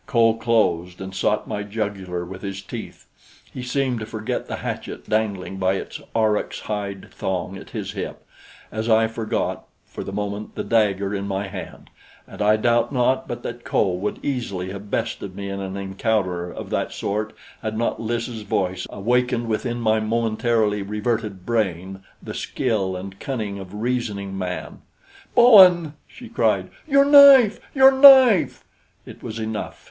Kho closed and sought my jugular with his teeth. He seemed to forget the hatchet dangling by its aurochs hide thong at his hip, as I forgot, for the moment, the dagger in my hand. And I doubt not but that Kho would easily have bested me in an encounter of that sort had not Lys' voice awakened within my momentarily reverted brain the skill and cunning of reasoning man. "Bowen!" she cried. "Your knife! Your knife!" It was enough.